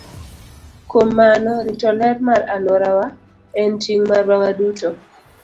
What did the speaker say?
Kuom mano, rito ler mar alworawa en ting' marwa waduto.